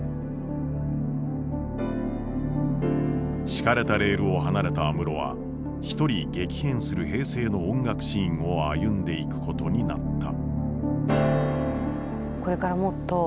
敷かれたレールを離れた安室は一人激変する平成の音楽シーンを歩んでいくことになった。